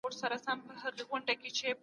حضوري ټولګي د بدن ژبه ښودلو فرصت ورکوي.